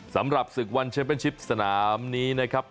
สำหรับศึกวันเชมเป็นชิปสนามนี้นะครับ